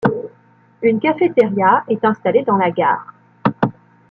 Une cafétéria est installée dans la gare.